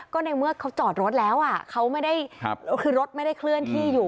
ก็ในเมื่อเขาจอดรถแล้วอ่ะเขาไม่ได้คือรถไม่ได้เคลื่อนที่อยู่